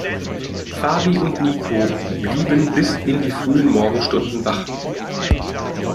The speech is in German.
Fabi und Niko blieben bis in die frühen Morgenstunden wach.